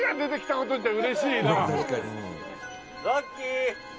「ラッキー」